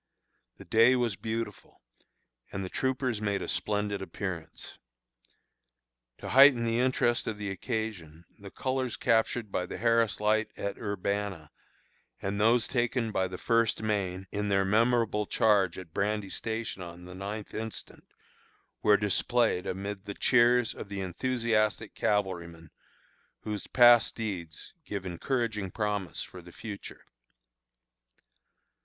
The day was beautiful, and the troopers made a splendid appearance. To heighten the interest of the occasion, the colors captured by the Harris Light at Urbanna, and those taken by the First Maine in their memorable charge at Brandy Station on the ninth instant, were displayed amid the cheers of the enthusiastic cavalrymen, whose past deeds give encouraging promise for the future.